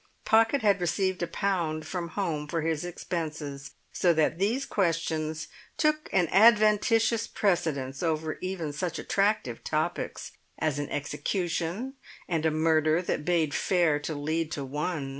Pocket had received a pound from home for his expenses, so that these questions took an adventitious precedence over even such attractive topics as an execution and a murder that bade fair to lead to one.